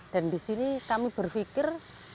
dan di sini kami berpikir